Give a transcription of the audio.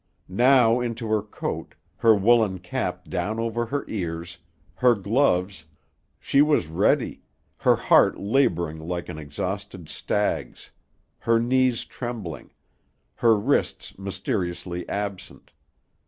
Now into her coat, her woolen cap down over her ears, her gloves she was ready, her heart laboring like an exhausted stag's, her knees trembling, her wrists mysteriously absent.